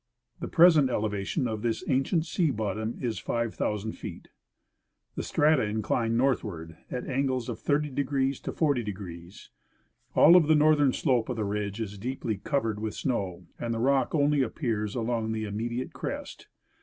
The j)resent elevation of this ancient sea bottom is 5,000 feet. The strata incline nortliAvard at angles of 30° to 40°. All of the northern slope of the ridge is deeply covered with snow, and the rock only appears along the immediate crest.